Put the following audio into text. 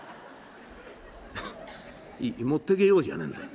「持ってけよじゃねえんだ。